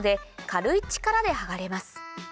軽い力で剥がれます